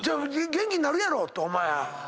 元気になるやろ！って。